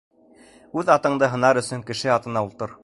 Үҙ атыңды һынар өсөн кеше атына ултыр.